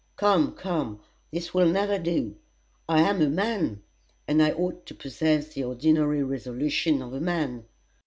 Come, come: this will never do. I am a man, and I ought to possess the ordinary resolution of a man.